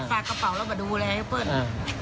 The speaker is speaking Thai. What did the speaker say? ฝากกระเป๋ามันดูแลให้อยู่